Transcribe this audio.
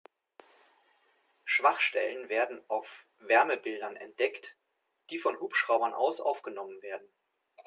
Schwachstellen werden auf Wärmebildern entdeckt, die von Hubschraubern aus aufgenommen werden.